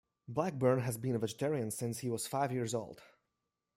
Blackburn has been a vegetarian since he was five years old.